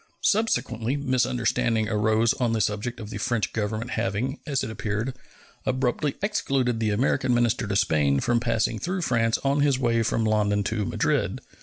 Subsequently misunderstanding arose on the subject of the French Government having, as it appeared, abruptly excluded the American minister to Spain from passing through France on his way from London to Madrid.